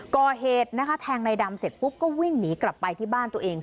ก่อเหตุนะคะแทงในดำเสร็จปุ๊บก็วิ่งหนีกลับไปที่บ้านตัวเอง